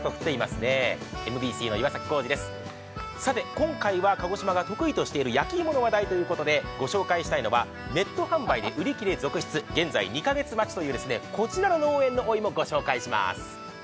今回は鹿児島が得意としている焼き芋の話題ということでご紹介したいのがネット販売で売り切れ続出、現在２カ月待ちというこちらの農園のお芋、ご紹介します。